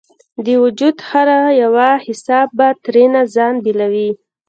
د وجود هره یوه حصه به ترېنه ځان بیلوي